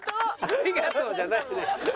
「ありがとう」じゃないの。